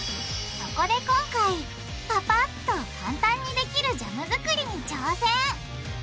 そこで今回パパっとかんたんにできるジャム作りに挑戦！